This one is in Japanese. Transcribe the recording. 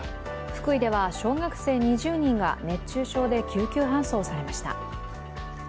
福井では小学生２０人が熱中症で救急搬送されました。